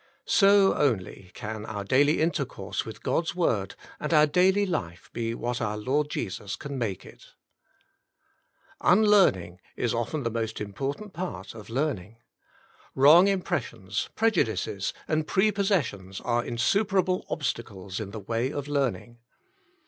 So only, can our daily intercourse with God's Word, and our daily life be what our Lord Jesus can make it. Teachableness 89 "Unlearning is often the most important part of learning: wrong impressions, prejudices and pre possessions are insuperable obstacles in the way of learning.